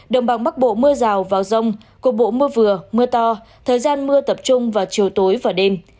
đồng bằng bắc bộ mưa rào và rông cục bộ mưa vừa mưa to thời gian mưa tập trung vào chiều tối và đêm